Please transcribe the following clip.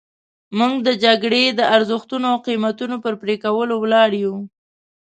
موږ د جګړې د ارزښتونو او قیمتونو پر پرې کولو ولاړ یو.